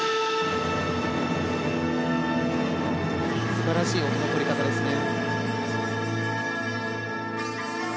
素晴らしい音の取り方ですね。